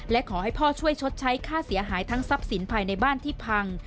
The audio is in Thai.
และขอให้พ่อช่วยชดใช้ค่าเสียหายทั้งทรัพย์สินภายในบ้านที่พัง